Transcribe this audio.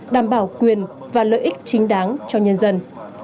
đảm bảo quyền và lợi ích chính đáng cho nhân dân